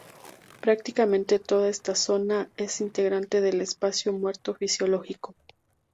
Prácticamente toda esta zona es integrante del espacio muerto fisiológico.